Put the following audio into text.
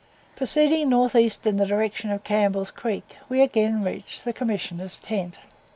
Proceeding north east in the direction of Campbell's Creek, we again reach the Commissioners' tent.